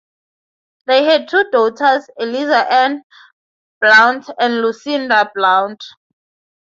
They had two daughters, Eliza Ann Blount and Lucinda Blount.